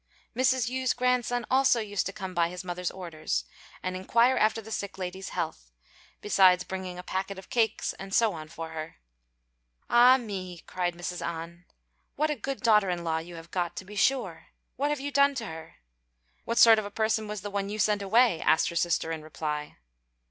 Mrs. Yü's grandson also used to come by his mother's orders, and inquire after the sick lady's health, besides bringing a packet of cakes and so on for her. "Ah, me!" cried Mrs. An, "what a good daughter in law you have got, to be sure. What have you done to her?" "What sort of a person was the one you sent away?" asked her sister in reply.